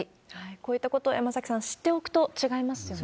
こういったことを、山崎さん、知っておくと違いますよね。